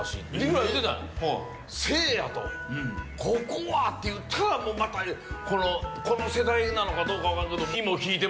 せいやとここは！っていったらまたこの世代なのかどうか分からんけども。